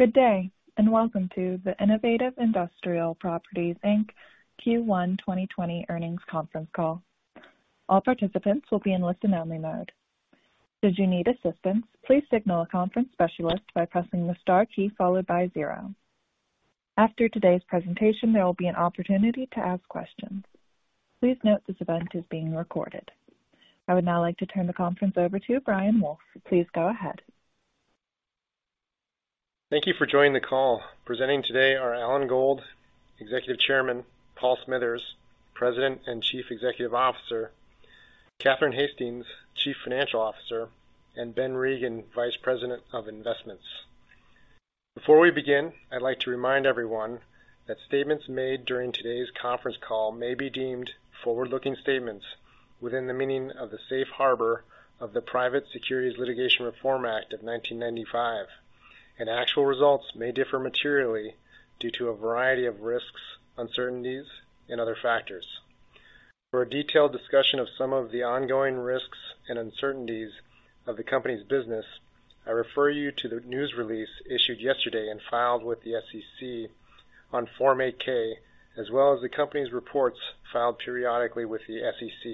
Good day, and welcome to the Innovative Industrial Properties, Inc. Q1 2020 earnings conference call. All participants will be in listen-only mode. Should you need assistance, please signal a conference specialist by pressing the star key followed by zero. After today's presentation, there will be an opportunity to ask questions. Please note this event is being recorded. I would now like to turn the conference over to Brian Wolfe. Please go ahead. Thank you for joining the call. Presenting today are Alan Gold, Executive Chairman; Paul Smithers, President and Chief Executive Officer; Catherine Hastings, Chief Financial Officer; and Ben Regin, Vice President of Investments. Before we begin, I'd like to remind everyone that statements made during today's conference call may be deemed forward-looking statements within the meaning of the safe harbor of the Private Securities Litigation Reform Act of 1995, and actual results may differ materially due to a variety of risks, uncertainties, and other factors. For a detailed discussion of some of the ongoing risks and uncertainties of the company's business, I refer you to the news release issued yesterday and filed with the SEC on Form 8-K, as well as the company's reports filed periodically with the SEC.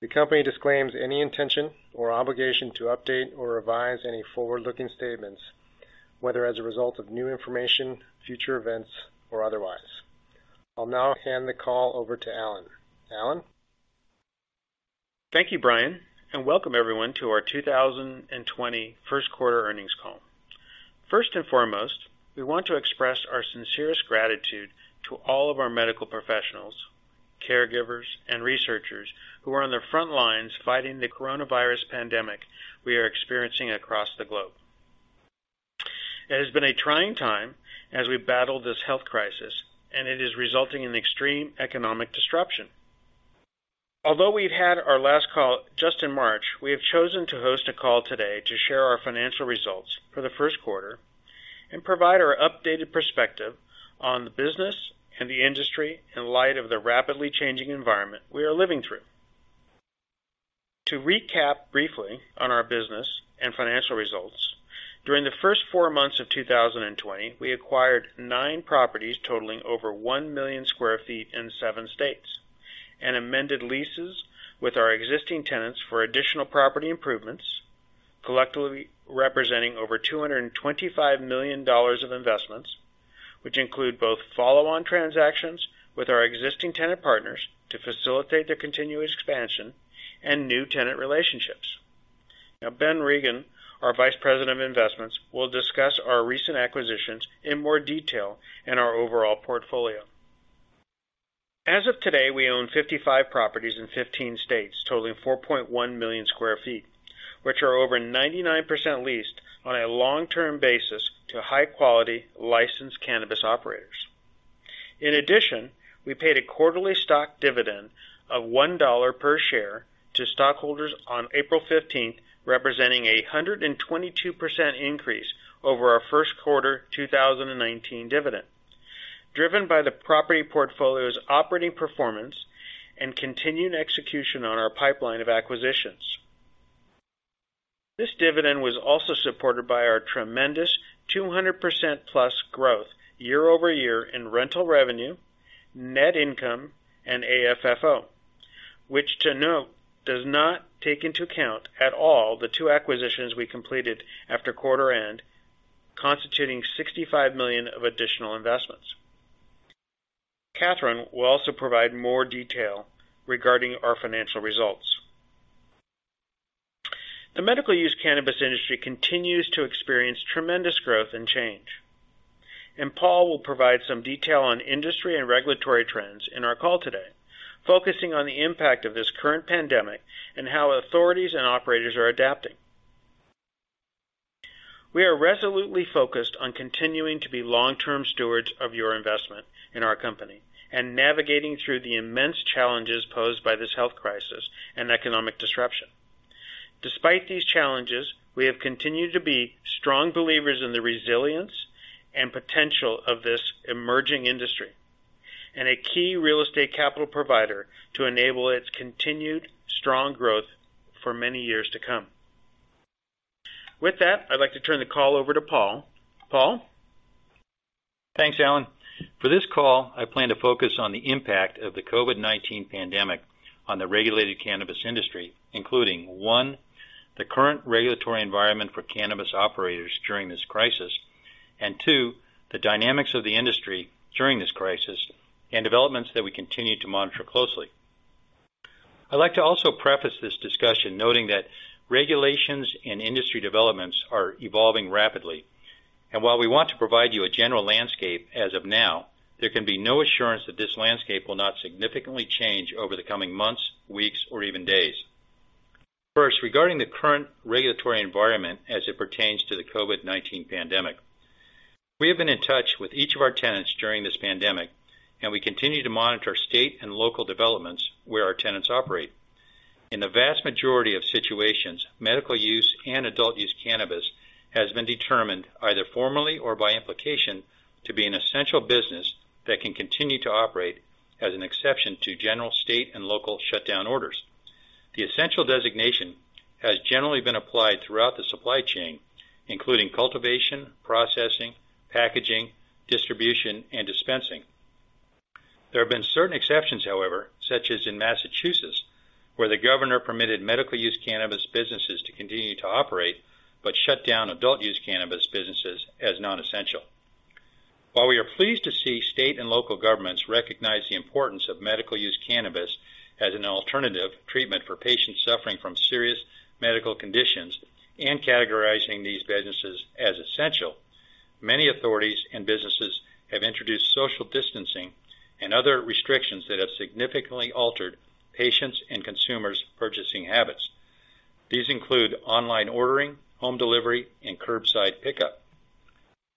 The company disclaims any intention or obligation to update or revise any forward-looking statements, whether as a result of new information, future events, or otherwise. I'll now hand the call over to Alan. Alan? Thank you, Brian, and welcome everyone to our 2020 first quarter earnings call. First and foremost, we want to express our sincerest gratitude to all of our medical professionals, caregivers, and researchers who are on the front lines fighting the coronavirus pandemic we are experiencing across the globe. It has been a trying time as we battle this health crisis, and it is resulting in extreme economic disruption. Although we've had our last call just in March, we have chosen to host a call today to share our financial results for the first quarter and provide our updated perspective on the business and the industry in light of the rapidly changing environment we are living through. To recap briefly on our business and financial results, during the first four months of 2020, we acquired nine properties totaling over 1 million square feet in seven states, and amended leases with our existing tenants for additional property improvements, collectively representing over $225 million of investments, which include both follow-on transactions with our existing tenant partners to facilitate their continued expansion and new tenant relationships. Ben Regin, our Vice President of Investments, will discuss our recent acquisitions in more detail in our overall portfolio. As of today, we own 55 properties in 15 states, totaling 4.1 million square feet, which are over 99% leased on a long-term basis to high-quality licensed cannabis operators. In addition, we paid a quarterly stock dividend of $1 per share to stockholders on April 15th, representing a 122% increase over our first quarter 2019 dividend, driven by the property portfolio's operating performance and continued execution on our pipeline of acquisitions. This dividend was also supported by our tremendous 200% plus growth year-over-year in rental revenue, net income, and AFFO, which to note, does not take into account at all the two acquisitions we completed after quarter end, constituting $65 million of additional investments. Catherine will also provide more detail regarding our financial results. The medical-use cannabis industry continues to experience tremendous growth and change. Paul will provide some detail on industry and regulatory trends in our call today, focusing on the impact of this current pandemic and how authorities and operators are adapting. We are resolutely focused on continuing to be long-term stewards of your investment in our company and navigating through the immense challenges posed by this health crisis and economic disruption. Despite these challenges, we have continued to be strong believers in the resilience and potential of this emerging industry and a key real estate capital provider to enable its continued strong growth for many years to come. With that, I'd like to turn the call over to Paul. Paul? Thanks, Alan. For this call, I plan to focus on the impact of the COVID-19 pandemic on the regulated cannabis industry, including, one, the current regulatory environment for cannabis operators during this crisis, and two, the dynamics of the industry during this crisis and developments that we continue to monitor closely. I'd like to also preface this discussion noting that regulations and industry developments are evolving rapidly, and while we want to provide you a general landscape as of now, there can be no assurance that this landscape will not significantly change over the coming months, weeks, or even days. First, regarding the current regulatory environment as it pertains to the COVID-19 pandemic. We have been in touch with each of our tenants during this pandemic, and we continue to monitor state and local developments where our tenants operate. In the vast majority of situations, medical-use and adult-use cannabis has been determined, either formally or by implication, to be an essential business that can continue to operate as an exception to general state and local shutdown orders. The essential designation has generally been applied throughout the supply chain, including cultivation, processing, packaging, distribution, and dispensing. There have been certain exceptions, however, such as in Massachusetts, where the governor permitted medical-use cannabis businesses to continue to operate, but shut down adult-use cannabis businesses as non-essential. While we are pleased to see state and local governments recognize the importance of medical-use cannabis as an alternative treatment for patients suffering from serious medical conditions and categorizing these businesses as essential, many authorities and businesses have introduced social distancing and other restrictions that have significantly altered patients' and consumers' purchasing habits. These include online ordering, home delivery, and curbside pickup.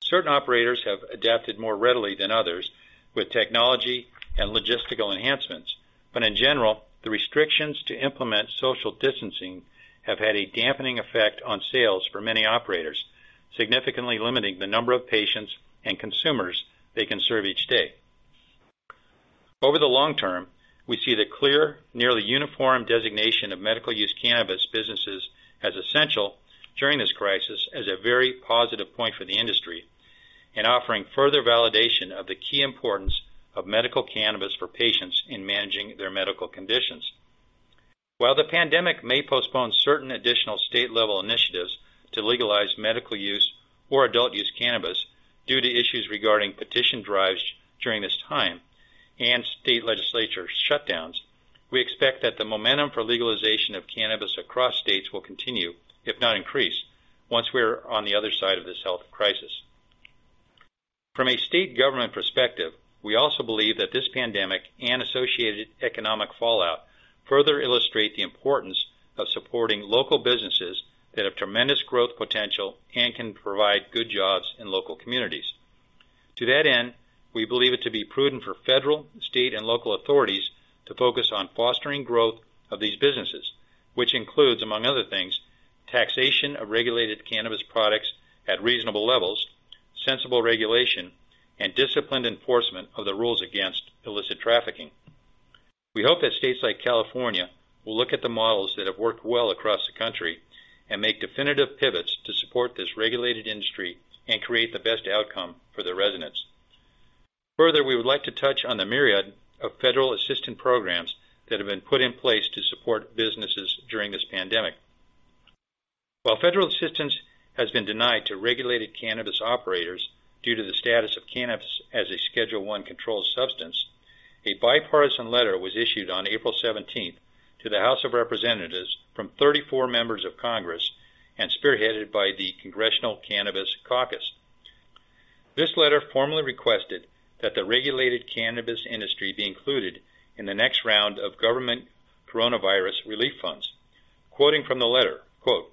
Certain operators have adapted more readily than others with technology and logistical enhancements. In general, the restrictions to implement social distancing have had a dampening effect on sales for many operators, significantly limiting the number of patients and consumers they can serve each day. Over the long term, we see the clear, nearly uniform designation of medical-use cannabis businesses as essential during this crisis as a very positive point for the industry in offering further validation of the key importance of medical cannabis for patients in managing their medical conditions. While the pandemic may postpone certain additional state-level initiatives to legalize medical-use or adult-use cannabis due to issues regarding petition drives during this time and state legislature shutdowns, we expect that the momentum for legalization of cannabis across states will continue, if not increase, once we're on the other side of this health crisis. From a state government perspective, we also believe that this pandemic and associated economic fallout further illustrate the importance of supporting local businesses that have tremendous growth potential and can provide good jobs in local communities. To that end, we believe it to be prudent for federal, state, and local authorities to focus on fostering growth of these businesses, which includes, among other things, taxation of regulated cannabis products at reasonable levels, sensible regulation, and disciplined enforcement of the rules against illicit trafficking. We hope that states like California will look at the models that have worked well across the country and make definitive pivots to support this regulated industry and create the best outcome for their residents. Further, we would like to touch on the myriad of federal assistance programs that have been put in place to support businesses during this pandemic. While federal assistance has been denied to regulated cannabis operators due to the status of cannabis as a Schedule I controlled substance, a bipartisan letter was issued on April 17th to the House of Representatives from 34 members of Congress and spearheaded by the Congressional Cannabis Caucus. This letter formally requested that the regulated cannabis industry be included in the next round of government coronavirus relief funds. Quoting from the letter, quote,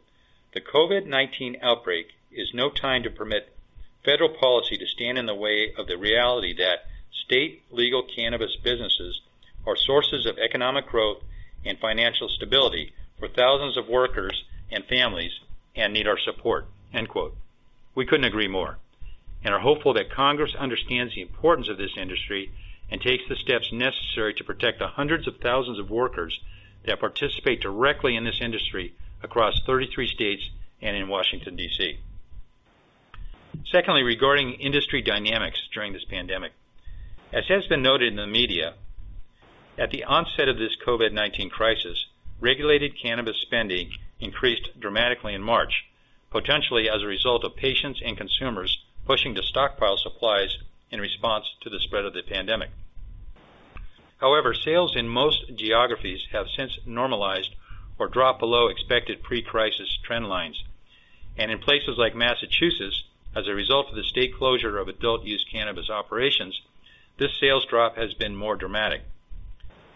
"The COVID-19 outbreak is no time to permit federal policy to stand in the way of the reality that state legal cannabis businesses are sources of economic growth and financial stability for thousands of workers and families and need our support.", end quote. We couldn't agree more, and are hopeful that Congress understands the importance of this industry and takes the steps necessary to protect the hundreds of thousands of workers that participate directly in this industry across 33 states and in Washington, D.C. Secondly, regarding industry dynamics during this pandemic. As has been noted in the media, at the onset of this COVID-19 crisis, regulated cannabis spending increased dramatically in March, potentially as a result of patients and consumers pushing to stockpile supplies in response to the spread of the pandemic. Sales in most geographies have since normalized or dropped below expected pre-crisis trend lines. In places like Massachusetts, as a result of the state closure of adult-use cannabis operations, this sales drop has been more dramatic.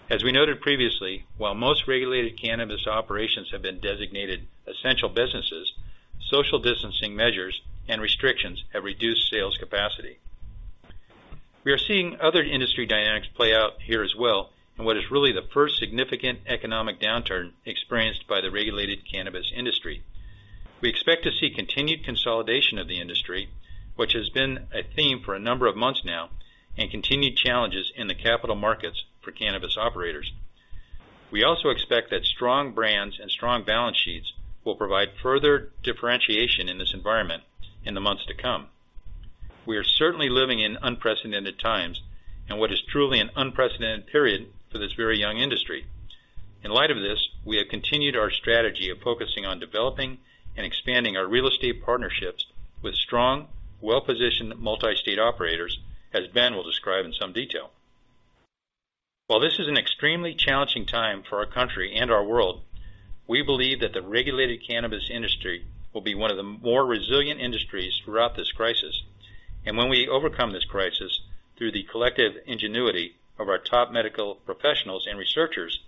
As we noted previously, while most regulated cannabis operations have been designated essential businesses, social distancing measures and restrictions have reduced sales capacity. We are seeing other industry dynamics play out here as well in what is really the first significant economic downturn experienced by the regulated cannabis industry. We expect to see continued consolidation of the industry, which has been a theme for a number of months now, and continued challenges in the capital markets for cannabis operators. We also expect that strong brands and strong balance sheets will provide further differentiation in this environment in the months to come. We are certainly living in unprecedented times, in what is truly an unprecedented period for this very young industry. In light of this, we have continued our strategy of focusing on developing and expanding our real estate partnerships with strong, well-positioned multi-state operators, as Ben will describe in some detail. While this is an extremely challenging time for our country and our world, we believe that the regulated cannabis industry will be one of the more resilient industries throughout this crisis. When we overcome this crisis through the collective ingenuity of our top medical professionals and researchers,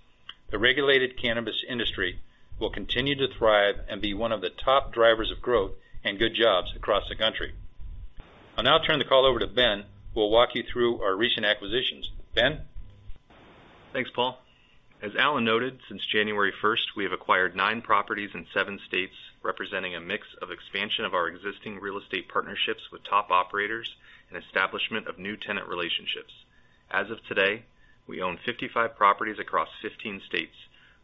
the regulated cannabis industry will continue to thrive and be one of the top drivers of growth and good jobs across the country. I'll now turn the call over to Ben, who will walk you through our recent acquisitions. Ben? Thanks, Paul. As Alan noted, since January 1st, we have acquired nine properties in seven states, representing a mix of expansion of our existing real estate partnerships with top operators and establishment of new tenant relationships. As of today, we own 55 properties across 15 states,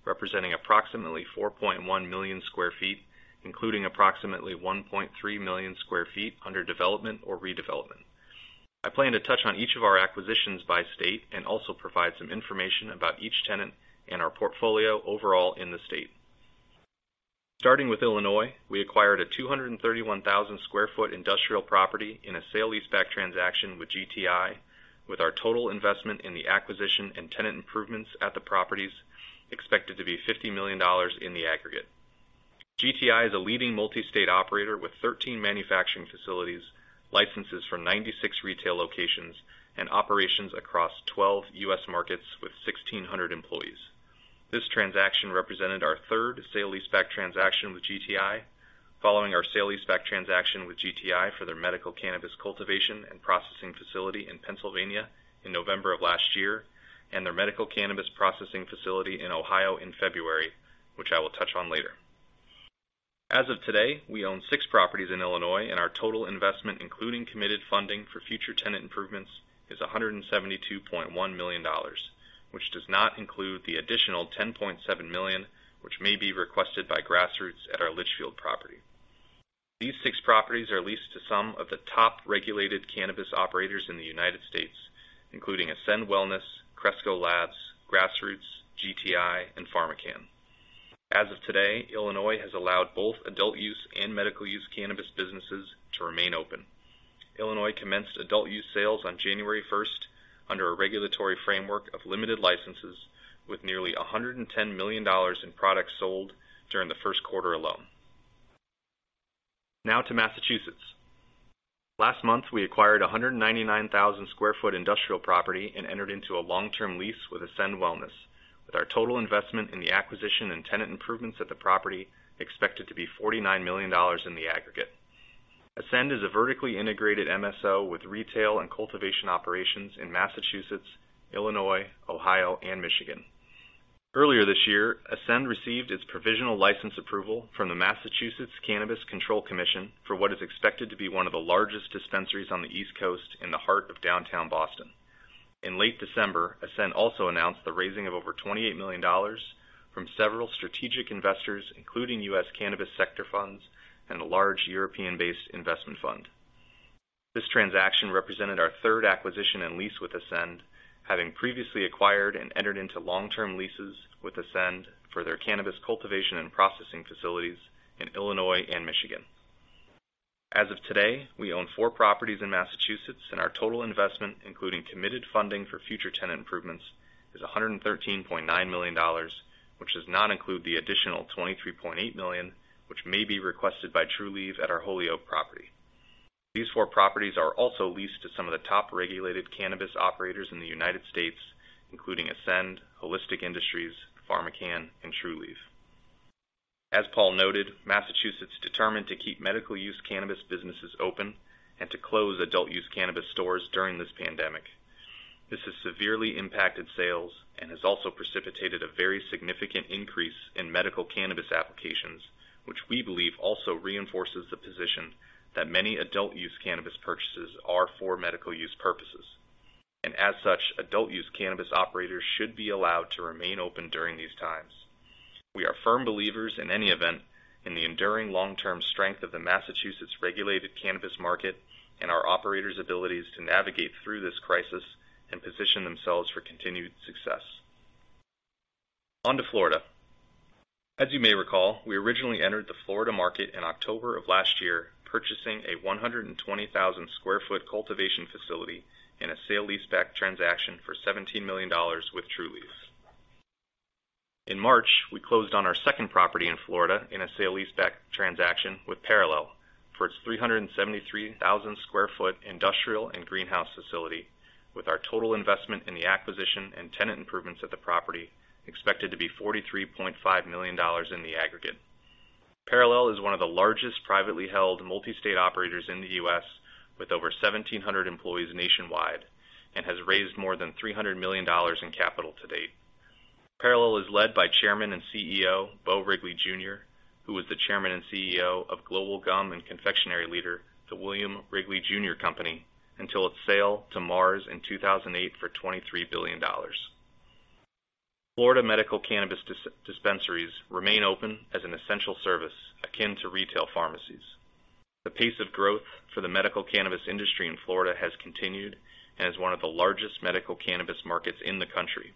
representing approximately 4.1 million square feet, including approximately 1.3 million square feet under development or redevelopment. I plan to touch on each of our acquisitions by state and also provide some information about each tenant and our portfolio overall in the state. Starting with Illinois, we acquired a 231,000 sq ft industrial property in a sale leaseback transaction with GTI, with our total investment in the acquisition and tenant improvements at the properties expected to be $50 million in the aggregate. GTI is a leading multi-state operator with 13 manufacturing facilities, licenses for 96 retail locations, and operations across 12 U.S. markets with 1,600 employees. This transaction represented our third sale leaseback transaction with GTI, following our sale leaseback transaction with GTI for their medical cannabis cultivation and processing facility in Pennsylvania in November of last year, and their medical cannabis processing facility in Ohio in February, which I will touch on later. As of today, we own six properties in Illinois, and our total investment, including committed funding for future tenant improvements, is $172.1 million, which does not include the additional $10.7 million, which may be requested by Grassroots at our Litchfield property. These six properties are leased to some of the top regulated cannabis operators in the United States, including Ascend Wellness, Cresco Labs, Grassroots, GTI, and PharmaCann. As of today, Illinois has allowed both adult-use and medical-use cannabis businesses to remain open. Illinois commenced adult use sales on January 1st under a regulatory framework of limited licenses with nearly $110 million in products sold during the first quarter alone. Now to Massachusetts. Last month, we acquired 199,000 sq ft industrial property and entered into a long-term lease with Ascend Wellness, with our total investment in the acquisition and tenant improvements at the property expected to be $49 million in the aggregate. Ascend is a vertically integrated MSO with retail and cultivation operations in Massachusetts, Illinois, Ohio, and Michigan. Earlier this year, Ascend received its provisional license approval from the Massachusetts Cannabis Control Commission for what is expected to be one of the largest dispensaries on the East Coast in the heart of downtown Boston. In late December, Ascend also announced the raising of over $28 million from several strategic investors, including U.S. cannabis sector funds and a large European-based investment fund. This transaction represented our third acquisition and lease with Ascend, having previously acquired and entered into long-term leases with Ascend for their cannabis cultivation and processing facilities in Illinois and Michigan. As of today, we own four properties in Massachusetts, and our total investment, including committed funding for future tenant improvements, is $113.9 million, which does not include the additional $23.8 million, which may be requested by Trulieve at our Holyoke property. These four properties are also leased to some of the top regulated cannabis operators in the U.S., including Ascend, Holistic Industries, PharmaCann, and Trulieve. As Paul noted, Massachusetts determined to keep medical-use cannabis businesses open and to close adult-use cannabis stores during this pandemic. This has severely impacted sales and has also precipitated a very significant increase in medical cannabis applications, which we believe also reinforces the position that many adult-use cannabis purchases are for medical use purposes, and as such, adult use cannabis operators should be allowed to remain open during these times. We are firm believers in any event in the enduring long-term strength of the Massachusetts regulated cannabis market and our operators' abilities to navigate through this crisis and position themselves for continued success. On to Florida. As you may recall, we originally entered the Florida market in October of last year, purchasing a 120,000 sq ft cultivation facility in a sale leaseback transaction for $17 million with Trulieve. In March, we closed on our second property in Florida in a sale leaseback transaction with Parallel for its 373,000 sq ft industrial and greenhouse facility with our total investment in the acquisition and tenant improvements at the property expected to be $43.5 million in the aggregate. Parallel is one of the largest privately held multi-state operators in the U.S. with over 1,700 employees nationwide and has raised more than $300 million in capital to date. Parallel is led by Chairman and CEO, Beau Wrigley, Jr., who was the Chairman and CEO of global gum and confectionery leader, the William Wrigley Jr. Company, until its sale to Mars in 2008 for $23 billion. Florida medical cannabis dispensaries remain open as an essential service akin to retail pharmacies. The pace of growth for the medical cannabis industry in Florida has continued and is one of the largest medical cannabis markets in the country.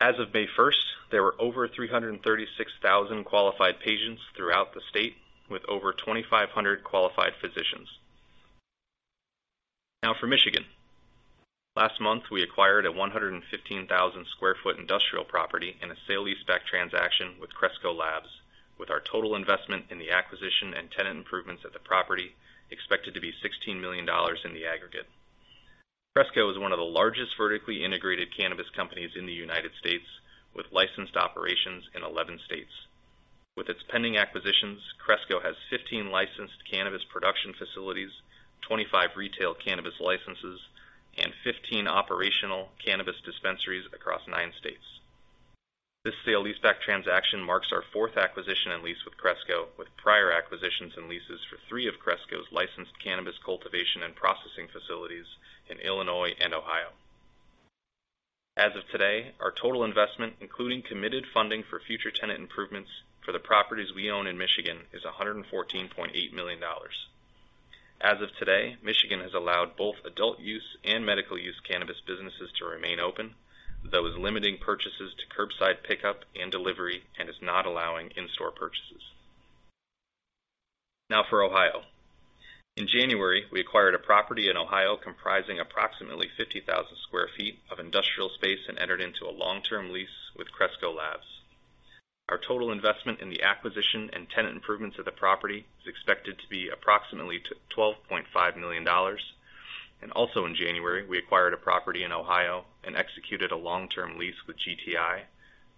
As of May 1st, there were over 336,000 qualified patients throughout the state with over 2,500 qualified physicians. Now for Michigan. Last month, we acquired a 115,000 sq ft industrial property in a sale leaseback transaction with Cresco Labs, with our total investment in the acquisition and tenant improvements at the property expected to be $16 million in the aggregate. Cresco is one of the largest vertically integrated cannabis companies in the United States, with licensed operations in 11 states. With its pending acquisitions, Cresco has 15 licensed cannabis production facilities, 25 retail cannabis licenses, and 15 operational cannabis dispensaries across nine states. This sale leaseback transaction marks our fourth acquisition and lease with Cresco, with prior acquisitions and leases for three of Cresco's licensed cannabis cultivation and processing facilities in Illinois and Ohio. As of today, our total investment, including committed funding for future tenant improvements for the properties we own in Michigan, is $114.8 million. As of today, Michigan has allowed both adult-use and medical-use cannabis businesses to remain open, though is limiting purchases to curbside pickup and delivery, and is not allowing in-store purchases. Now for Ohio. In January, we acquired a property in Ohio comprising approximately 50,000 sq ft of industrial space and entered into a long-term lease with Cresco Labs. Our total investment in the acquisition and tenant improvements of the property is expected to be approximately $12.5 million. Also in January, we acquired a property in Ohio and executed a long-term lease with GTI,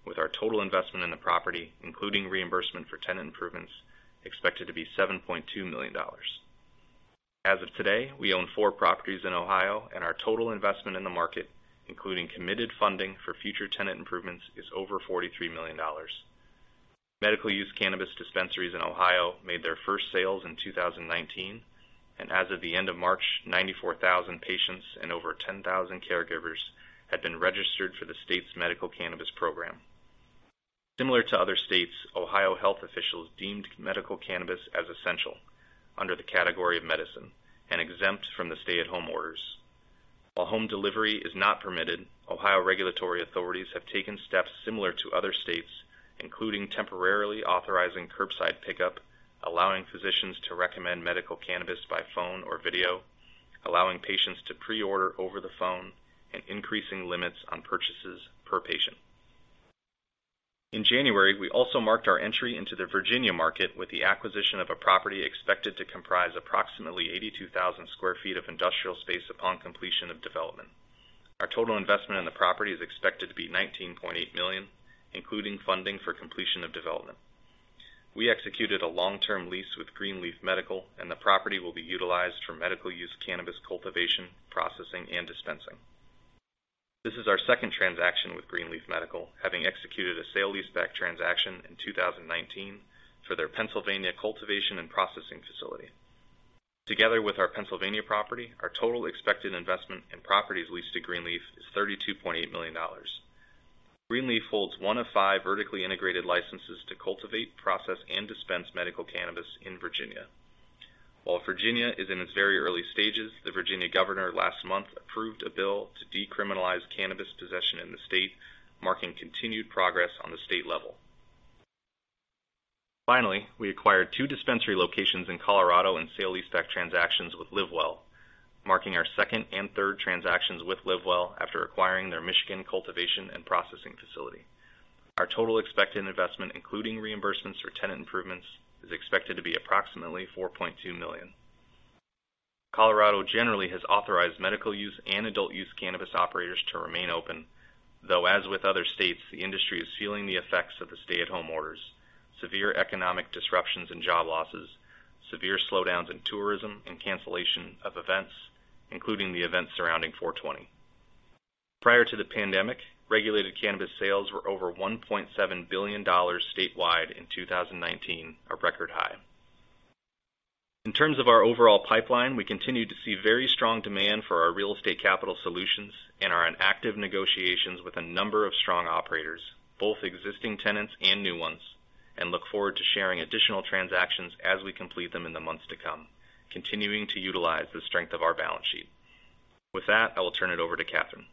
with our total investment in the property, including reimbursement for tenant improvements, expected to be $7.2 million. As of today, we own four properties in Ohio, and our total investment in the market, including committed funding for future tenant improvements, is over $43 million. Medical-use cannabis dispensaries in Ohio made their first sales in 2019, and as of the end of March, 94,000 patients and over 10,000 caregivers had been registered for the state's medical cannabis program. Similar to other states, Ohio health officials deemed medical cannabis as essential under the category of medicine and exempt from the stay-at-home orders. While home delivery is not permitted, Ohio regulatory authorities have taken steps similar to other states, including temporarily authorizing curbside pickup, allowing physicians to recommend medical cannabis by phone or video, allowing patients to pre-order over the phone, and increasing limits on purchases per patient. In January, we also marked our entry into the Virginia market with the acquisition of a property expected to comprise approximately 82,000 sq ft of industrial space upon completion of development. Our total investment in the property is expected to be $19.8 million, including funding for completion of development. We executed a long-term lease with Green Leaf Medical, and the property will be utilized for medical-use cannabis cultivation, processing, and dispensing. This is our second transaction with Green Leaf Medical, having executed a sale leaseback transaction in 2019 for their Pennsylvania cultivation and processing facility. Together with our Pennsylvania property, our total expected investment in properties leased to Green Leaf is $32.8 million. Green Leaf holds one of five vertically integrated licenses to cultivate, process, and dispense medical cannabis in Virginia. While Virginia is in its very early stages, the Virginia governor last month approved a bill to decriminalize cannabis possession in the state, marking continued progress on the state level. Finally, we acquired two dispensary locations in Colorado in sale leaseback transactions with LivWell, marking our second and third transactions with LivWell after acquiring their Michigan cultivation and processing facility. Our total expected investment, including reimbursements for tenant improvements, is expected to be approximately $4.2 million. Colorado generally has authorized medical-use and adult-use cannabis operators to remain open, though, as with other states, the industry is feeling the effects of the stay-at-home orders, severe economic disruptions and job losses, severe slowdowns in tourism, and cancellation of events, including the events surrounding 4/20. Prior to the pandemic, regulated cannabis sales were over $1.7 billion statewide in 2019, a record high. In terms of our overall pipeline, we continue to see very strong demand for our real estate capital solutions and are in active negotiations with a number of strong operators, both existing tenants and new ones, and look forward to sharing additional transactions as we complete them in the months to come, continuing to utilize the strength of our balance sheet. With that, I will turn it over to Catherine.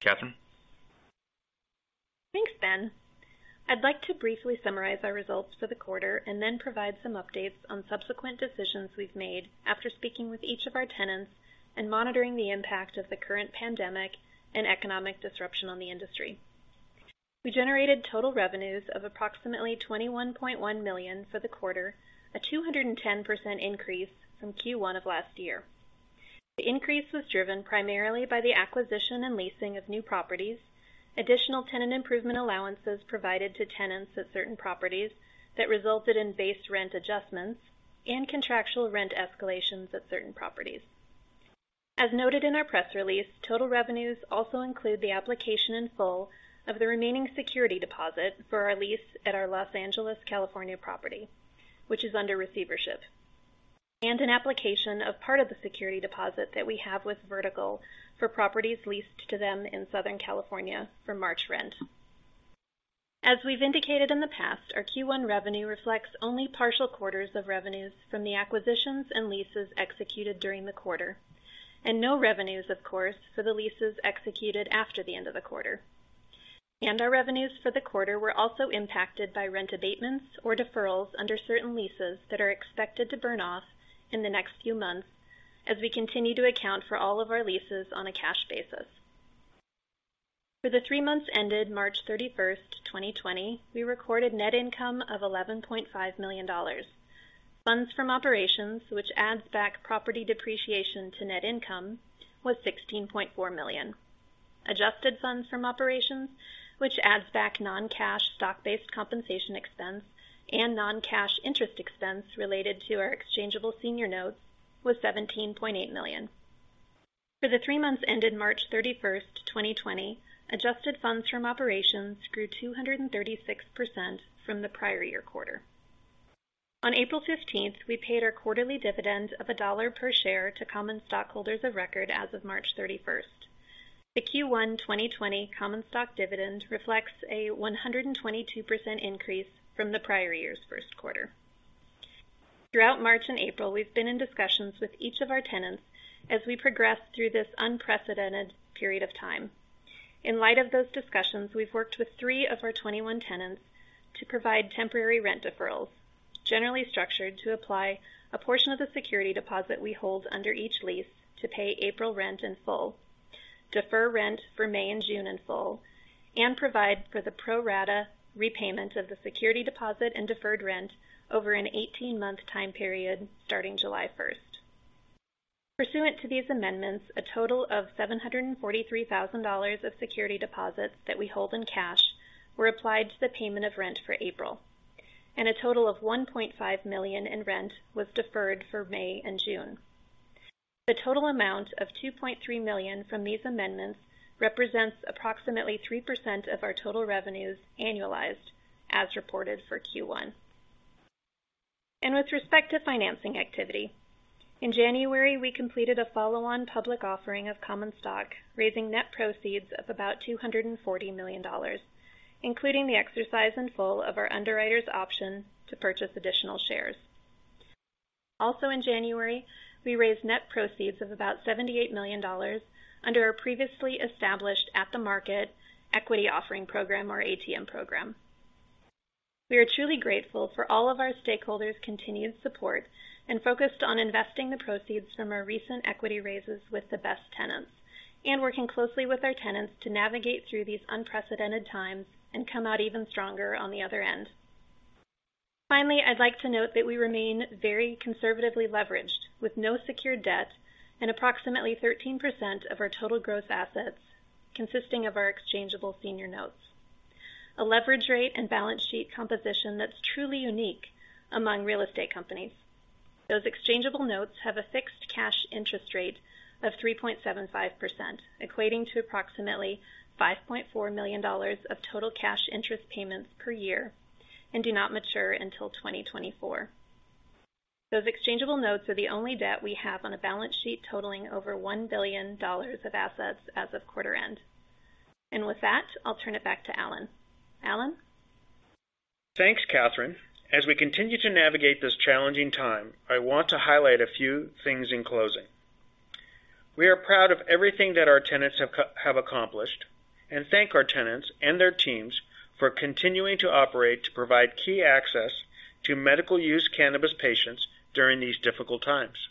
Catherine? Thanks, Ben. I'd like to briefly summarize our results for the quarter and then provide some updates on subsequent decisions we've made after speaking with each of our tenants and monitoring the impact of the current pandemic and economic disruption on the industry. We generated total revenues of approximately $21.1 million for the quarter, a 210% increase from Q1 of last year. The increase was driven primarily by the acquisition and leasing of new properties, additional tenant improvement allowances provided to tenants at certain properties that resulted in base rent adjustments, and contractual rent escalations at certain properties. As noted in our press release, total revenues also include the application in full of the remaining security deposit for our lease at our Los Angeles, California property, which is under receivership, and an application of part of the security deposit that we have with Vertical for properties leased to them in Southern California for March rent. As we've indicated in the past, our Q1 revenue reflects only partial quarters of revenues from the acquisitions and leases executed during the quarter, and no revenues, of course, for the leases executed after the end of the quarter. Our revenues for the quarter were also impacted by rent abatements or deferrals under certain leases that are expected to burn off in the next few months as we continue to account for all of our leases on a cash basis. For the three months ended March 31st, 2020, we recorded net income of $11.5 million. Funds from operations, which adds back property depreciation to net income, was $16.4 million. Adjusted funds from operations, which adds back non-cash stock-based compensation expense and non-cash interest expense related to our exchangeable senior notes, was $17.8 million. For the three months ended March 31st, 2020, adjusted funds from operations grew 236% from the prior year quarter. On April 15th, we paid our quarterly dividend of $1 per share to common stockholders of record as of March 31st. The Q1 2020 common stock dividend reflects a 122% increase from the prior year's first quarter. Throughout March and April, we've been in discussions with each of our tenants as we progress through this unprecedented period of time. In light of those discussions, we've worked with three of our 21 tenants to provide temporary rent deferrals, generally structured to apply a portion of the security deposit we hold under each lease to pay April rent in full, defer rent for May and June in full, and provide for the pro-rata repayment of the security deposit and deferred rent over an 18-month time period starting July 1st. Pursuant to these amendments, a total of $743,000 of security deposits that we hold in cash were applied to the payment of rent for April, and a total of $1.5 million in rent was deferred for May and June. The total amount of $2.3 million from these amendments represents approximately 3% of our total revenues annualized as reported for Q1. With respect to financing activity, in January, we completed a follow-on public offering of common stock, raising net proceeds of about $240 million, including the exercise in full of our underwriter's option to purchase additional shares. Also, in January, we raised net proceeds of about $78 million under our previously established at-the-market equity offering program or ATM program. We are truly grateful for all of our stakeholders' continued support and focused on investing the proceeds from our recent equity raises with the best tenants and working closely with our tenants to navigate through these unprecedented times and come out even stronger on the other end. Finally, I'd like to note that we remain very conservatively leveraged with no secured debt and approximately 13% of our total gross assets consisting of our exchangeable senior notes, a leverage rate and balance sheet composition that's truly unique among real estate companies. Those exchangeable notes have a fixed cash interest rate of 3.75%, equating to approximately $5.4 million of total cash interest payments per year, and do not mature until 2024. Those exchangeable notes are the only debt we have on a balance sheet totaling over $1 billion of assets as of quarter end. With that, I'll turn it back to Alan. Alan? Thanks, Catherine. As we continue to navigate this challenging time, I want to highlight a few things in closing. We are proud of everything that our tenants have accomplished and thank our tenants and their teams for continuing to operate to provide key access to medical-use cannabis patients during these difficult times.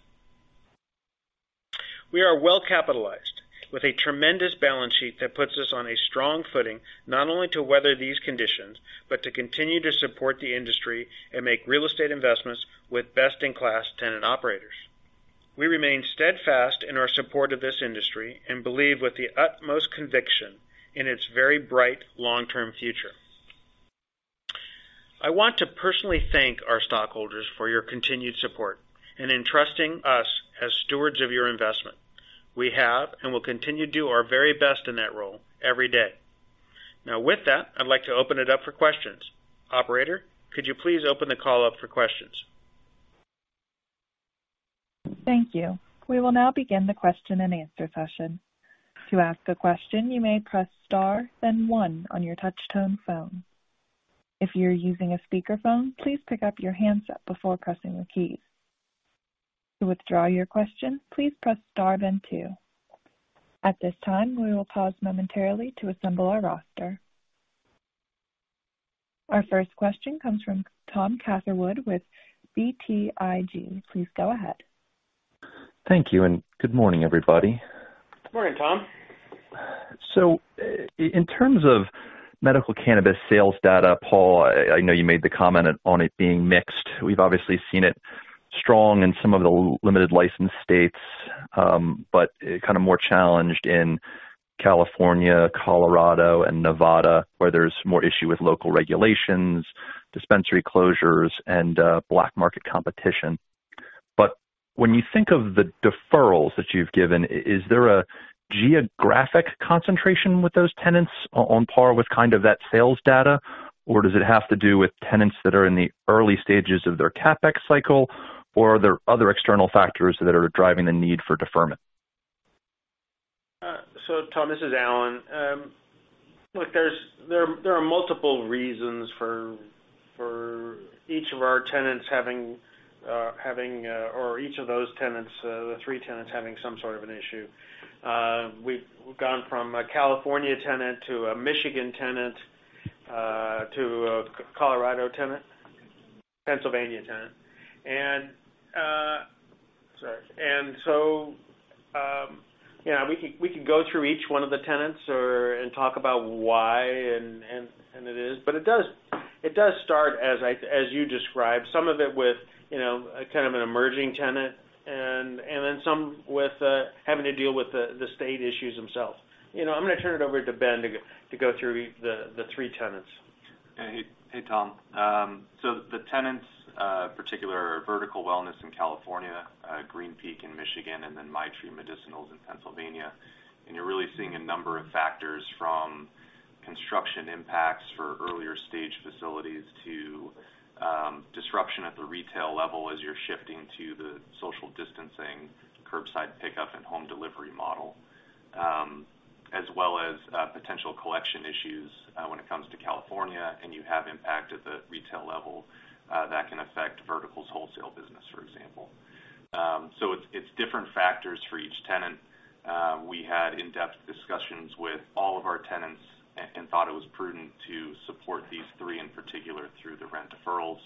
We are well-capitalized with a tremendous balance sheet that puts us on a strong footing, not only to weather these conditions, but to continue to support the industry and make real estate investments with best-in-class tenant operators. We remain steadfast in our support of this industry and believe with the utmost conviction in its very bright long-term future. I want to personally thank our stockholders for your continued support and in trusting us as stewards of your investment. We have and will continue to do our very best in that role every day. Now with that, I'd like to open it up for questions. Operator, could you please open the call up for questions? Thank you. We will now begin the question-and-answer session. To ask a question, you may press star then one on your touch-tone phone. If you're using a speakerphone, please pick up your handset before pressing the key. To withdraw your question, please press star then two. At this time, we will pause momentarily to assemble our roster. Our first question comes from Tom Catherwood with BTIG. Please go ahead. Thank you, and good morning, everybody. Morning, Tom. In terms of medical cannabis sales data, Paul, I know you made the comment on it being mixed. We've obviously seen it strong in some of the limited license states, but kind of more challenged in California, Colorado, and Nevada, where there's more issue with local regulations, dispensary closures, and black market competition. When you think of the deferrals that you've given, is there a geographic concentration with those tenants on par with kind of that sales data? Or does it have to do with tenants that are in the early stages of their CapEx cycle? Or are there other external factors that are driving the need for deferment? Tom, this is Alan. Look, there are multiple reasons for each of our tenants having, or each of those tenants, the three tenants, having some sort of an issue. We've gone from a California tenant to a Michigan tenant, to a Colorado tenant. Pennsylvania. Pennsylvania tenant. Sorry. We can go through each one of the tenants and talk about why, and it is. It does start, as you described, some of it with kind of an emerging tenant, and then some with having to deal with the state issues themselves. I'm going to turn it over to Ben to go through the three tenants. Hey, Tom. The tenants, particularly are Vertical Wellness in California, Green Peak in Michigan, and Maitri Medicinals in Pennsylvania. You're really seeing a number of factors from construction impacts for earlier stage facilities to disruption at the retail level as you're shifting to the social distancing, curbside pickup and home delivery model, as well as potential collection issues when it comes to California, and you have impact at the retail level that can affect Vertical's wholesale business, for example. It's different factors for each tenant. We had in-depth discussions with all of our tenants and thought it was prudent to support these three, in particular, through the rent deferrals,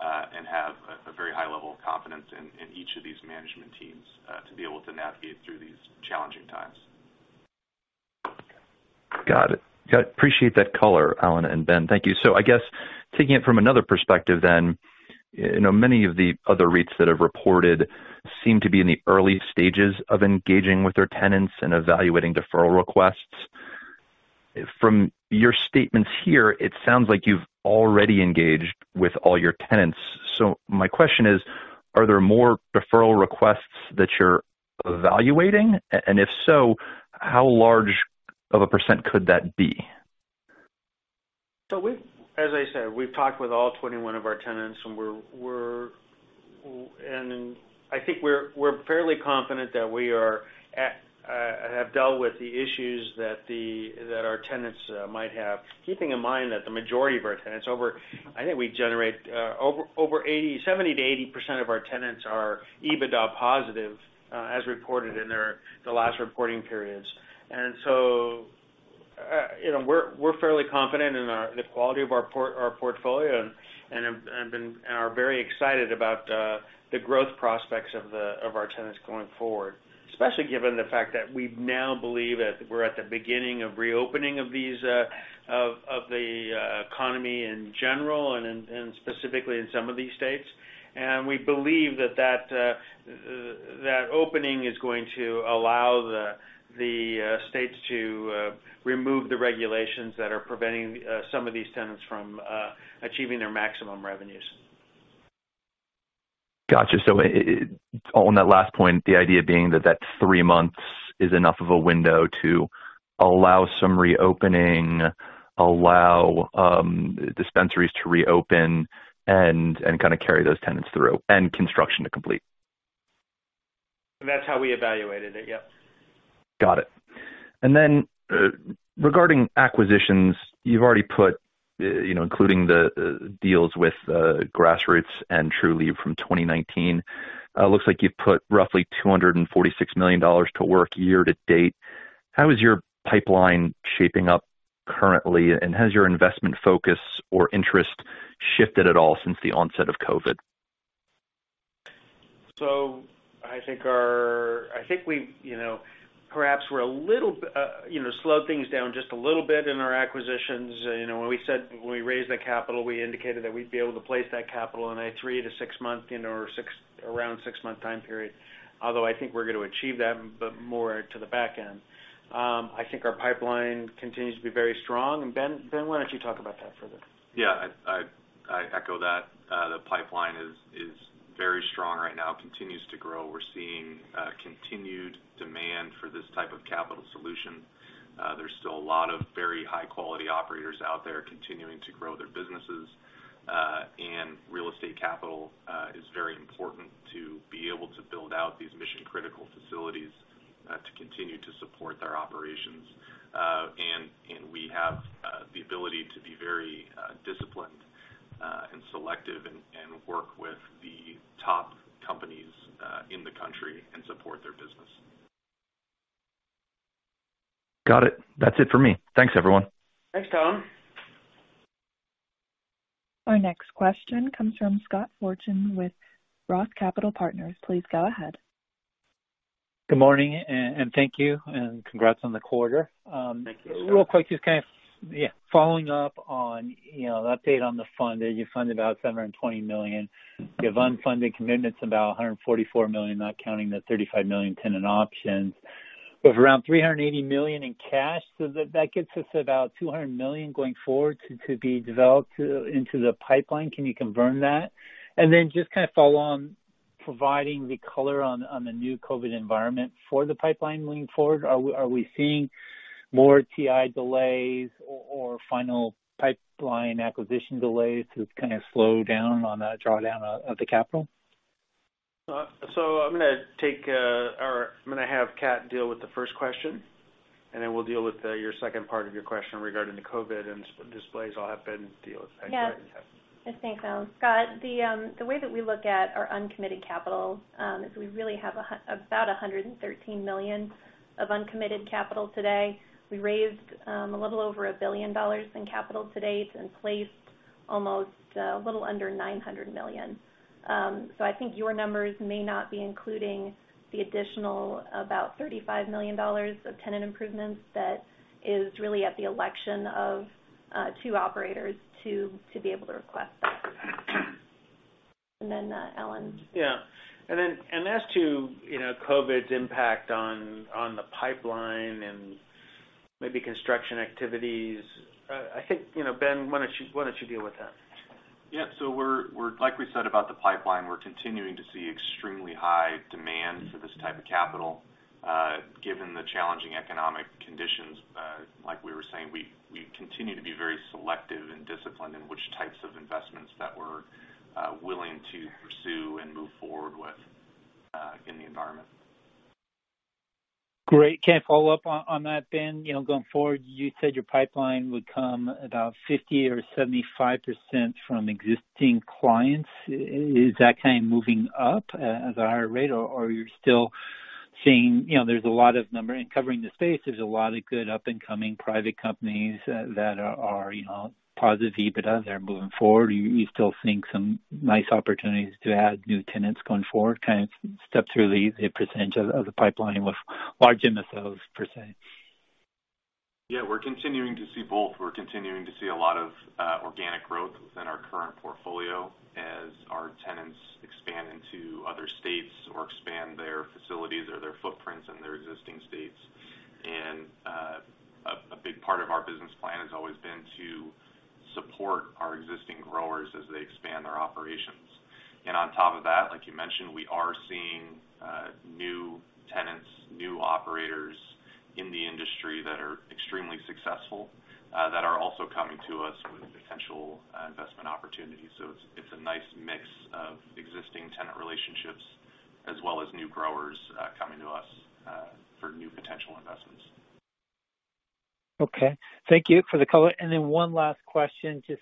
and have a very high level of confidence in each of these management teams to be able to navigate through these challenging times. Got it. Appreciate that color, Alan and Ben. Thank you. I guess taking it from another perspective then, many of the other REITs that have reported seem to be in the early stages of engaging with their tenants and evaluating deferral requests. From your statements here, it sounds like you've already engaged with all your tenants. My question is, are there more deferral requests that you're evaluating? If so, how large of a percent could that be? As I said, we've talked with all 21 of our tenants, and I think we're fairly confident that we have dealt with the issues that our tenants might have, keeping in mind that the majority of our tenants, I think we generate over 70%-80% of our tenants are EBITDA positive as reported in the last reporting periods. We're fairly confident in the quality of our portfolio and are very excited about the growth prospects of our tenants going forward, especially given the fact that we now believe that we're at the beginning of reopening of the economy in general and specifically in some of these states. We believe that opening is going to allow the states to remove the regulations that are preventing some of these tenants from achieving their maximum revenues. Got you. On that last point, the idea being that that three months is enough of a window to allow some reopening, allow dispensaries to reopen and kind of carry those tenants through, and construction to complete. That's how we evaluated it. Yep. Got it. Then, regarding acquisitions, you've already put, including the deals with Grassroots and Trulieve from 2019, looks like you've put roughly $246 million to work year to date. How is your pipeline shaping up currently, and has your investment focus or interest shifted at all since the onset of COVID? I think perhaps we slowed things down just a little bit in our acquisitions. When we raised the capital, we indicated that we'd be able to place that capital in a three to six month, or around six month time period. Although I think we're going to achieve that, but more to the back end. I think our pipeline continues to be very strong. Ben, why don't you talk about that further? Yeah. I echo that. The pipeline is very strong right now, continues to grow. We're seeing continued demand for this type of capital solution. There's still a lot of very high quality operators out there continuing to grow their businesses. Real estate capital is very important to be able to build out these mission-critical facilities to continue to support their operations. We have the ability to be very disciplined and selective and work with the top companies in the country and support their business. Got it. That's it for me. Thanks, everyone. Thanks, Tom. Our next question comes from Scott Fortune with ROTH Capital Partners. Please go ahead. Good morning, and thank you, and congrats on the quarter. Thank you. Real quick, just kind of following up on an update on the fund. You funded about $720 million. You have unfunded commitments about $144 million, not counting the $35 million tenant options. With around $380 million in cash, that gets us about $200 million going forward to be developed into the pipeline. Can you confirm that? Just kind of follow on providing the color on the new COVID environment for the pipeline moving forward. Are we seeing more TI delays or final pipeline acquisition delays to kind of slow down on the drawdown of the capital? I'm going to have Cath deal with the first question, and then we'll deal with your second part of your question regarding the COVID and delays. I'll have Ben deal with that part. Yeah. Thanks, Alan. Scott, the way that we look at our uncommitted capital is we really have about $113 million of uncommitted capital today. We raised a little over $1 billion in capital to date and placed a little under $900 million. I think your numbers may not be including the additional about $35 million of tenant improvements that is really at the election of two operators to be able to request that. Alan? Yeah. As to COVID's impact on the pipeline and maybe construction activities, I think, Ben, why don't you deal with that? Yeah. Like we said about the pipeline, we're continuing to see extremely high demand for this type of capital. Given the challenging economic conditions, like we were saying, we continue to be very selective and disciplined in which types of investments that we're willing to pursue and move forward with, in the environment. Great. Can I follow up on that, Ben? Going forward, you said your pipeline would come about 50% or 75% from existing clients. Is that kind of moving up at a higher rate, or are you still seeing, there's a lot of number and covering the space, there's a lot of good up and coming private companies that are positive EBITDA, they're moving forward? You still think some nice opportunities to add new tenants going forward, kind of step through the percentage of the pipeline with large MSOs per se? Yeah. We're continuing to see both. We're continuing to see a lot of organic growth within our current portfolio as our tenants expand into other states or expand their facilities or their footprints in their existing states. A big part of our business plan has always been to support our existing growers as they expand their operations. On top of that, like you mentioned, we are seeing new tenants, new operators in the industry that are extremely successful, that are also coming to us with potential investment opportunities. It's a nice mix of existing tenant relationships as well as new growers coming to us for new potential investments. Okay. Thank you for the color. One last question, just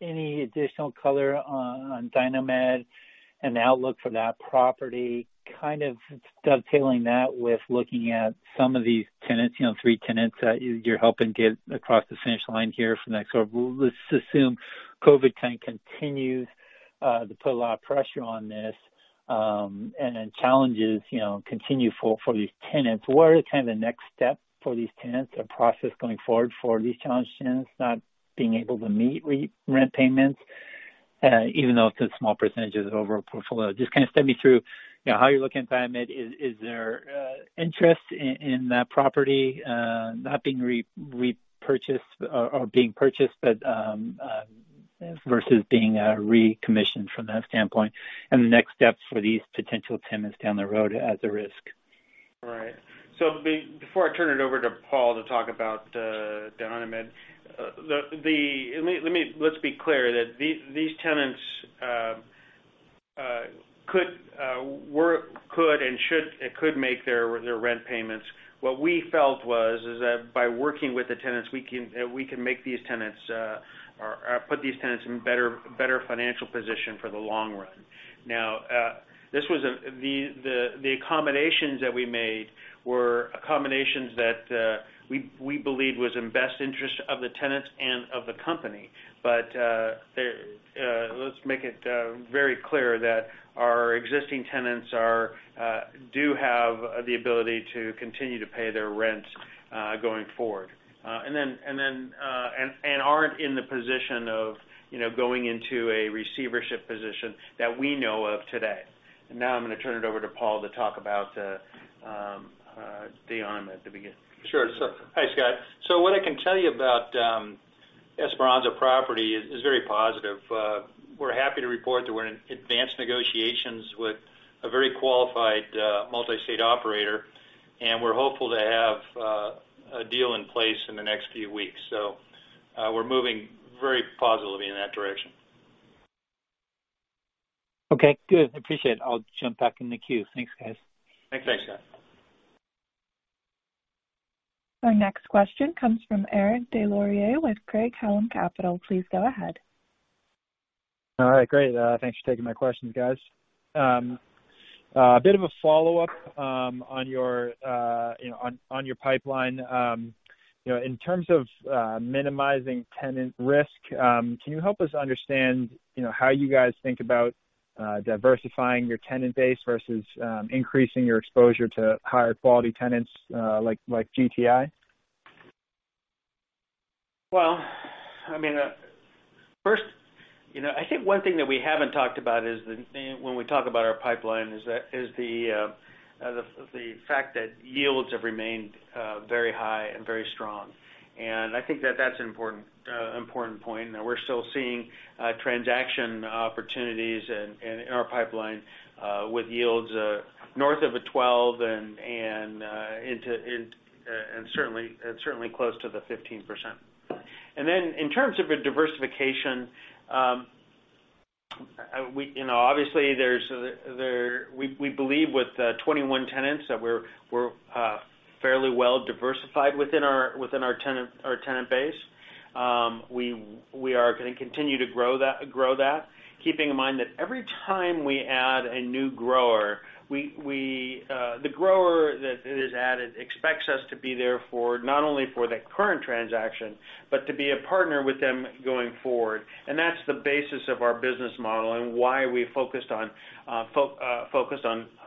any additional color on DionyMed and the outlook for that property, kind of dovetailing that with looking at some of these tenants, three tenants that you're helping get across the finish line here for the next quarter. Let's assume COVID kind of continues, to put a lot of pressure on this, and then challenges continue for these tenants. What are the next steps for these tenants and process going forward for these challenged tenants not being able to meet rent payments, even though it's a small percent of overall portfolio? Just kind of step me through how you're looking at DionyMed. Is there interest in that property not being repurchased or being purchased, but versus being recommissioned from that standpoint and the next steps for these potential tenants down the road as a risk? Right. Before I turn it over to Paul to talk about DionyMed, let's be clear that these tenants could and should make their rent payments. What we felt was is that by working with the tenants, we can put these tenants in better financial position for the long run. The accommodations that we made were accommodations that we believed was in best interest of the tenants and of the company. Let's make it very clear that our existing tenants do have the ability to continue to pay their rents, going forward, and aren't in the position of going into a receivership position that we know of today. Now I'm going to turn it over to Paul to talk about DionyMed to begin. Sure. Hi, Scott. What I can tell you about Esperanza property is very positive. We're happy to report that we're in advanced negotiations with a very qualified multi-state operator, and we're hopeful to have a deal in place in the next few weeks. We're moving very positively in that direction. Okay, good. Appreciate it. I'll jump back in the queue. Thanks, guys. Thanks. Thanks, Scott. Our next question comes from Eric Des Lauriers with Craig-Hallum Capital. Please go ahead. All right, great. Thanks for taking my questions, guys. A bit of a follow-up on your pipeline. In terms of minimizing tenant risk, can you help us understand how you guys think about diversifying your tenant base versus increasing your exposure to higher quality tenants like GTI? Well, first, I think one thing that we haven't talked about is when we talk about our pipeline is the fact that yields have remained very high and very strong. I think that's an important point, and we're still seeing transaction opportunities in our pipeline, with yields north of a 12% and certainly close to the 15%. In terms of a diversification, obviously, we believe with 21 tenants that we're fairly well diversified within our tenant base. We are going to continue to grow that, keeping in mind that every time we add a new grower, the grower added expects us to be there not only for the current transaction, but to be a partner with them going forward. That's the basis of our business model and why we focused on the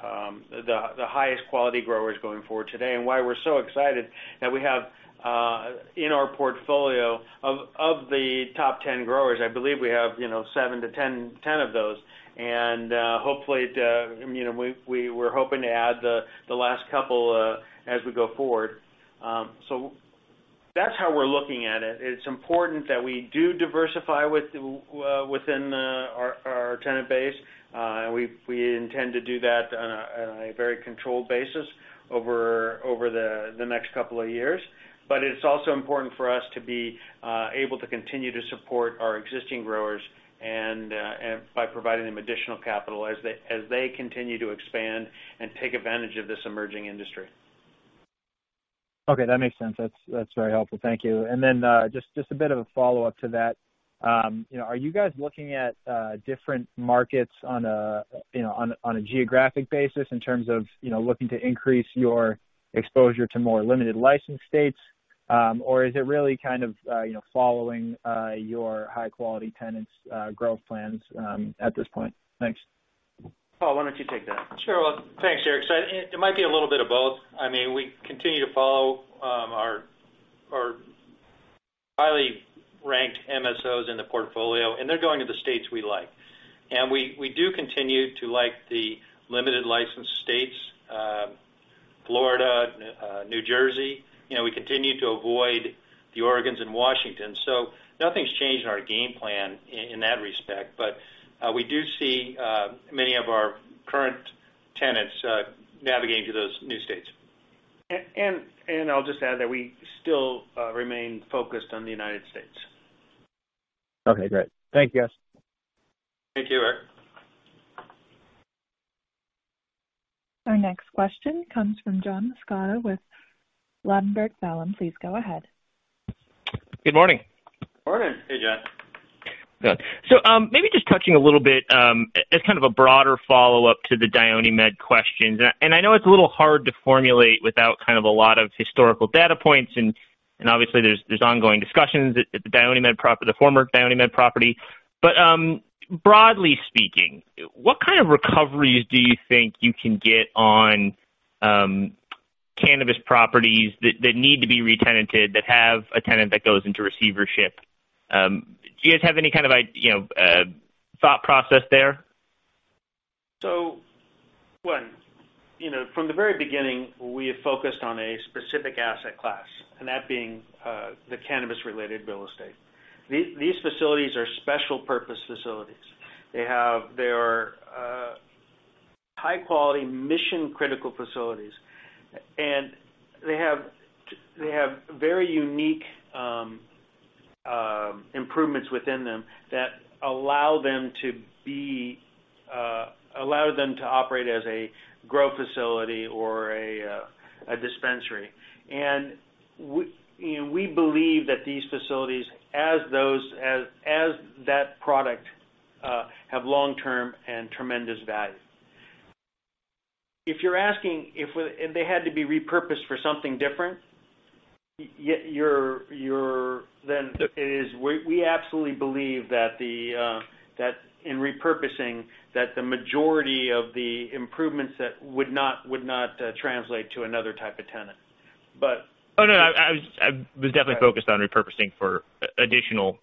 highest quality growers going forward today, and why we're so excited that we have in our portfolio of the top 10 growers, I believe we have seven to 10 of those. We're hoping to add the last couple as we go forward. That's how we're looking at it. It's important that we do diversify within our tenant base. We intend to do that on a very controlled basis over the next couple of years. It's also important for us to be able to continue to support our existing growers by providing them additional capital as they continue to expand and take advantage of this emerging industry. Okay, that makes sense. That's very helpful. Thank you. Then, just a bit of a follow-up to that. Are you guys looking at different markets on a geographic basis in terms of looking to increase your exposure to more limited license states? Is it really kind of following your high-quality tenants' growth plans at this point? Thanks. Paul, why don't you take that? Sure. Well, thanks, Eric. It might be a little bit of both. We continue to follow our highly ranked MSOs in the portfolio, and they're going to the states we like. We do continue to like the limited license states, Florida, New Jersey. We continue to avoid the Oregons and Washingtons. Nothing's changed in our game plan in that respect. We do see many of our current tenants navigating to those new states. I'll just add that we still remain focused on the United States. Okay, great. Thank you, guys. Thank you, Eric. Our next question comes from John Massocca with Ladenburg Thalmann. Please go ahead. Good morning. Morning. Hey, John. Good. Maybe just touching a little bit, as kind of a broader follow-up to the DionyMed questions. I know it's a little hard to formulate without a lot of historical data points, and obviously there's ongoing discussions at the former DionyMed property. Broadly speaking, what kind of recoveries do you think you can get on cannabis properties that need to be re-tenanted, that have a tenant that goes into receivership? Do you guys have any kind of thought process there? One, from the very beginning, we have focused on a specific asset class, and that being the cannabis-related real estate. These facilities are special-purpose facilities. They are high-quality, mission-critical facilities. They have very unique improvements within them that allow them to operate as a grow facility or a dispensary. We believe that these facilities, as that product, have long-term and tremendous value. If you're asking if they had to be repurposed for something different, we absolutely believe that in repurposing, that the majority of the improvements set would not translate to another type of tenant. Oh, no. I was definitely focused on repurposing for an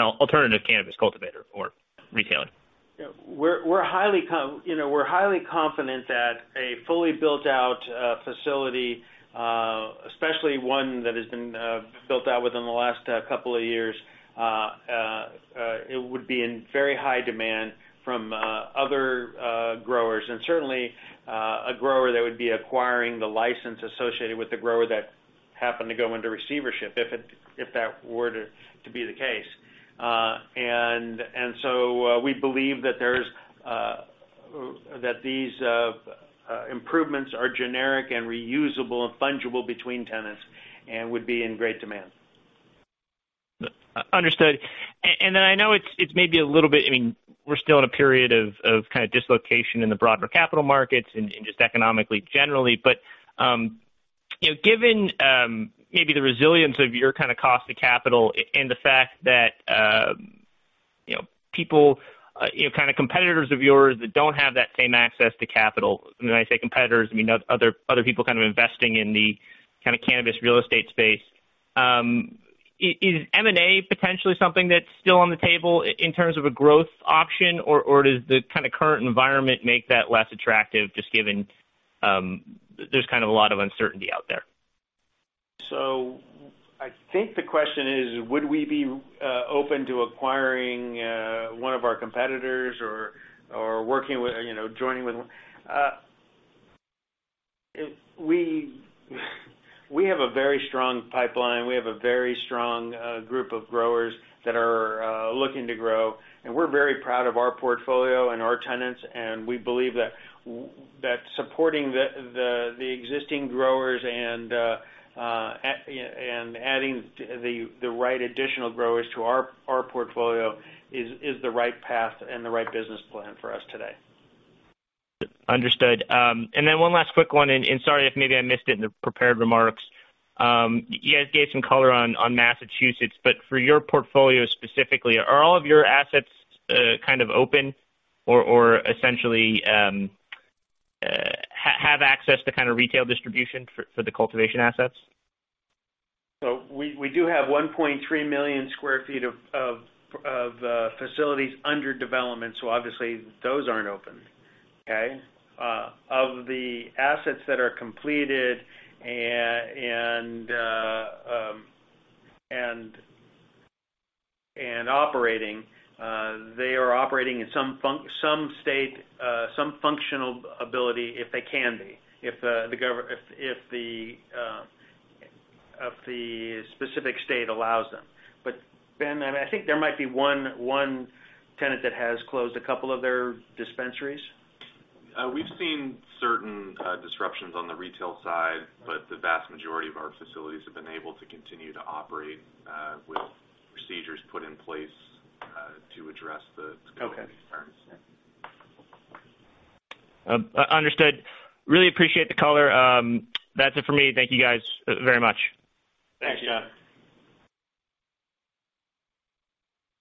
alternative cannabis cultivator or retailer. We're highly confident that a fully built-out facility, especially one that has been built out within the last couple of years, would be in very high demand from other growers. Certainly, a grower that would be acquiring the license associated with the grower that happened to go into receivership, if that were to be the case. We believe that these improvements are generic and reusable and fungible between tenants and would be in great demand. Understood. I know it's maybe a little bit we're still in a period of kind of dislocation in the broader capital markets and just economically generally. Given maybe the resilience of your cost of capital and the fact that competitors of yours that don't have that same access to capital, when I say competitors, I mean other people investing in the cannabis real estate space. Is M&A potentially something that's still on the table in terms of a growth option, or does the current environment make that less attractive, just given there's a lot of uncertainty out there? I think the question is, would we be open to acquiring one of our competitors? We have a very strong pipeline. We have a very strong group of growers that are looking to grow, and we're very proud of our portfolio and our tenants, and we believe that supporting the existing growers and adding the right additional growers to our portfolio is the right path and the right business plan for us today. Understood. Then one last quick one, and sorry if maybe I missed it in the prepared remarks. You guys gave some color on Massachusetts, but for your portfolio specifically, are all of your assets kind of open or essentially have access to kind of retail distribution for the cultivation assets? We do have 1.3 million square feet of facilities under development, so obviously those aren't open. Okay? Of the assets that are completed and operating, they are operating in some functional ability, if they can be, if the specific state allows them. Ben, I think there might be one tenant that has closed a couple of their dispensaries. We've seen certain disruptions on the retail side, but the vast majority of our facilities have been able to continue to operate with procedures put in place to address the COVID concerns. Okay. Understood. Really appreciate the color. That's it for me. Thank you guys very much. Thanks, John.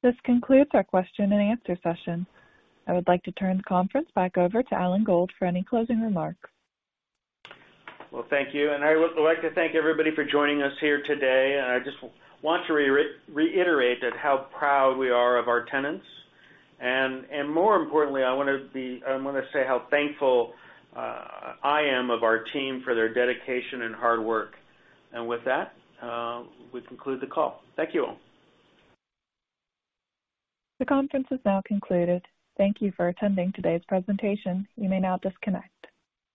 This concludes our question-and-answer session. I would like to turn the conference back over to Alan Gold for any closing remarks. Well, thank you. I would like to thank everybody for joining us here today. I just want to reiterate just how proud we are of our tenants. More importantly, I want to say how thankful I am of our team for their dedication and hard work. With that, we conclude the call. Thank you all. The conference has now concluded. Thank you for attending today's presentation. You may now disconnect.